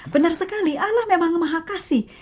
benar sekali allah memang maha kasih